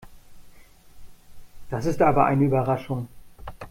Das ist aber eine Überraschung.